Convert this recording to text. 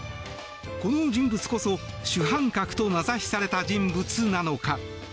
この人物こそ主犯格と名指しされた人物なのか。